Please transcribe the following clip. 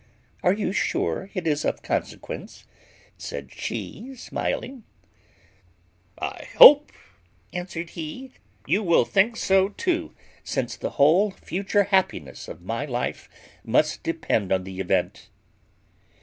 "Are you sure it is of consequence?" said she, smiling. "I hope," answered he, "you will think so too, since the whole future happiness of my life must depend on the event."